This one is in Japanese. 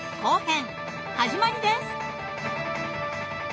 始まりです！